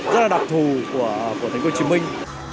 rất là đặc thù của thành phố hồ chí minh